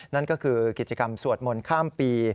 นั่นก็คือกิจกรรมสวดมนต์ข้ามปี